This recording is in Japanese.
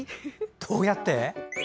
どうやって？